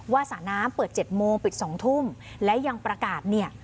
ว่าสระน้ำเปิดเจ็ดโมงปิดสองทุ่มและยังประกาศเนี่ย